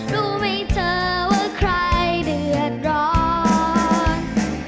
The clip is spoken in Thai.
รู้ไม่เจอว่าใครเดือดร้อน